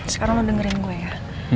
sekarang lo dengerin gue ya